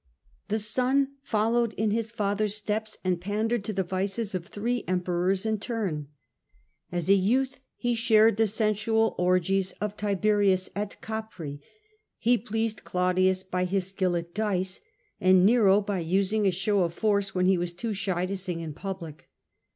The son followed in his father's steps and pandered to the vices of three Emperors in turn. As a youth he shared the sensual orgies of Tiberius at Capreae, he pleased Claudius by his skill at dice, and Nero by using a show of force when he was too shy to sing in public.